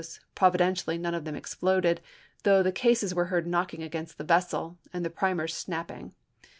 5, im» providentially none of them exploded, though the cases were heard knocking against the vessel and the primers snapping.